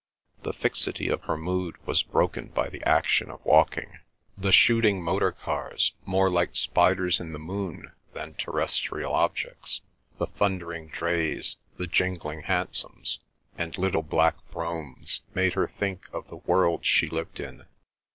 The fixity of her mood was broken by the action of walking. The shooting motor cars, more like spiders in the moon than terrestrial objects, the thundering drays, the jingling hansoms, and little black broughams, made her think of the world she lived in.